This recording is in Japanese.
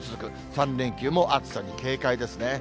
３連休も暑さに警戒ですね。